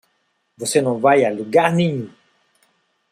Você não vai a lugar nenhum.